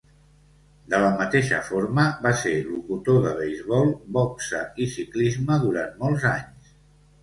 De la mateixa forma, va ser locutor de beisbol, boxa i ciclisme durant molts anys.